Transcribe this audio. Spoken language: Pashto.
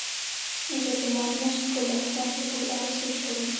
ژر به معلومه شي، ګلداد خان په دې اړه سوچ کوي.